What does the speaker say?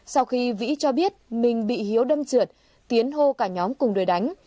sau khi vĩ cho biết mình bị hiếu đâm trượt tiến hô cả nhóm cùng đời đánh